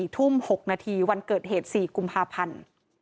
ทุ่ม๖นาทีวันเกิดเหตุ๔กุมภาพันธ์